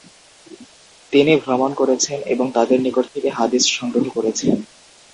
তিনি ভ্রমণ করেছেন এবং তাদের নিকট থেকে হাদীছ সংগ্রহ করেছেন।